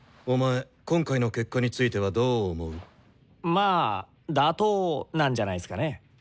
まあ妥当なんじゃないっすかね？